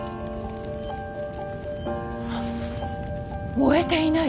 燃えていない！？